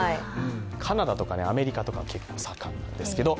カナダとかアメリカとか結構盛んですけど。